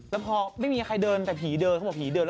แล้วพอไม่มีใครเดินแต่ผีเดินเขาบอกผีเดินแล้ว